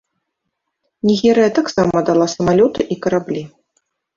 Нігерыя таксама дала самалёты і караблі.